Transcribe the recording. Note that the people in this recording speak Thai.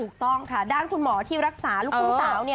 ถูกต้องค่ะด้านคุณหมอที่รักษาลูกทุ่งสาวเนี่ย